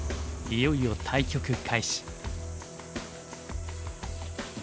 いよいよ対局開始。